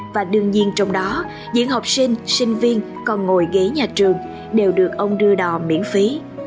và đương nhiên trong đó những học sinh sinh viên còn ngồi ghế nhà trường đều được ông đưa đò miễn phí